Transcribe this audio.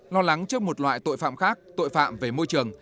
lo lắng trước một loại tội phạm khác tội phạm về môi trường